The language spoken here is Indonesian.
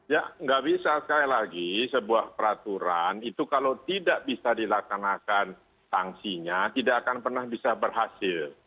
ya nggak bisa sekali lagi sebuah peraturan itu kalau tidak bisa dilaksanakan sanksinya tidak akan pernah bisa berhasil